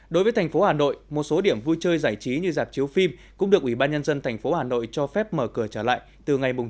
đối với tp hcm một số điểm vui chơi giải trí như giạc chiếu phim cũng được ubnd tp hà nội cho phép mở cửa trở lại từ ngày chín tháng năm